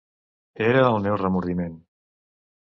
Era el meu remordiment.